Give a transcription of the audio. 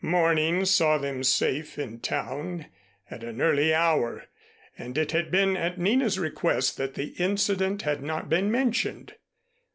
Morning saw them safe in town at an early hour, and it had been at Nina's request that the incident had not been mentioned.